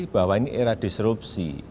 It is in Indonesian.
bahwa ini era disrupsi